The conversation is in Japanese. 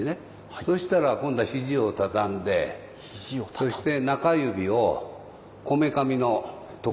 そしたら今度は肘を畳んでそして中指をこめかみのとこ。